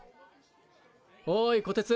おいこてつ！